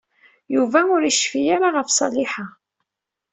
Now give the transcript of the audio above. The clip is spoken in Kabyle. Yuba ur yecfi ara ɣef Ṣaliḥa.